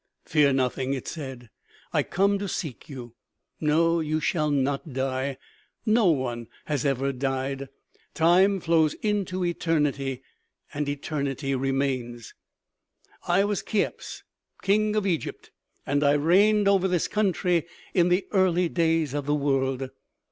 " Fear nothing," it said. u I come to seek you. No, you shall not die. No one has ever died. Time flows into eternity ; eternity remains. " I was Cheops, King of Egypt, and I reigned over this country in the early days of the world.